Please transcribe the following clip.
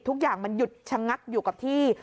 ทุกอย่างมันหยุดชะงักอยู่กับที่